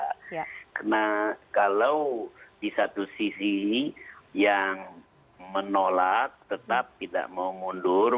karena kalau di satu sisi yang menolak tetap tidak mau mundur